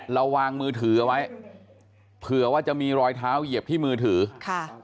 เราวางมือถือเอาไว้เผื่อว่าจะมีรอยเท้าเหยียบที่มือถือค่ะ